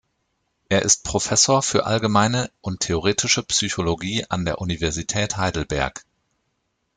Er ist Professor für Allgemeine und Theoretische Psychologie an der Universität Heidelberg.